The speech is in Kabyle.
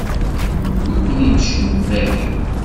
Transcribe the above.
Yewwi-ken-d cennegnagi!